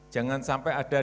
jangan sampai ada